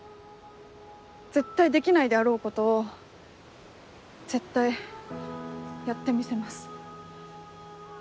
絶対できないであろうことを絶対やってみせます。